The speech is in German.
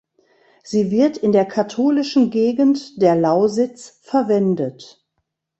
Sie wird in der katholischen Gegend der Lausitz verwendet.